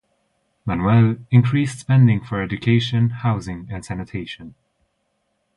Manuel increased spending for education, housing and sanitation.